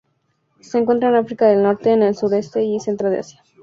Se encuentra en África del Norte, en el suroeste y centro de Asia.